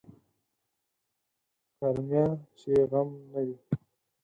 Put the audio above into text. کرميه چې غم نه وي.